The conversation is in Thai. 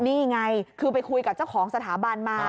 นี่ไงคือไปคุยกับเจ้าของสถาบันมา